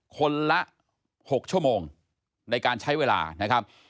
คนละ๖ชั่วโมงในการใช้เวลานะครับ